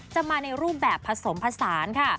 จะมาในรูปแบบผสมผสานค่ะ